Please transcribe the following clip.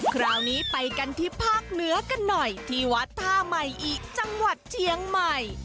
คราวนี้ไปกันที่ภาคเหนือกันหน่อยที่วัดท่าใหม่อิจังหวัดเชียงใหม่